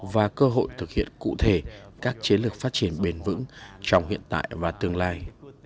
và cơ hội thực hiện cụ thể các chế lược phát triển bền vững trong hiện tại và tương lai